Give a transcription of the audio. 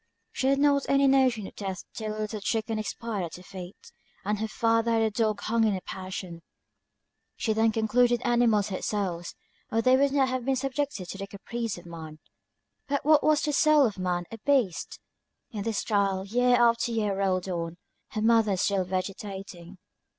She had not any notion of death till a little chicken expired at her feet; and her father had a dog hung in a passion. She then concluded animals had souls, or they would not have been subjected to the caprice of man; but what was the soul of man or beast? In this style year after year rolled on, her mother still vegetating.